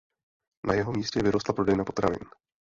Na jeho místě vyrostla prodejna potravin.